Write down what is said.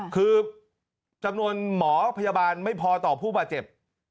คือจำนวนหมอพยาบาลไม่พอต่อผู้บาดเจ็บ